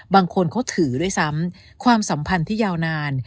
บางคนเขาถือด้วยซ้ำความสัมพันธ์ที่ยาวนาน